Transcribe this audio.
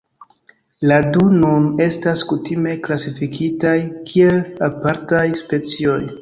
La du nun estas kutime klasifikitaj kiel apartaj specioj.